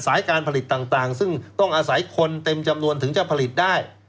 การผลิตต่างซึ่งต้องอาศัยคนเต็มจำนวนถึงจะผลิตได้